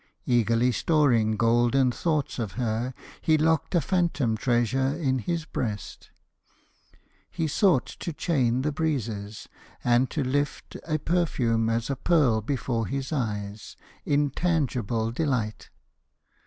Eagerly storing golden thoughts of her, He locked a phantom treasure in his breast. He sought to chain the breezes, and to lift A perfume as a pearl before his eyes Intangible delight!